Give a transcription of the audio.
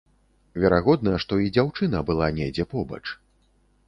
Верагодна, што і дзяўчына была недзе побач.